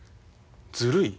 ずるい？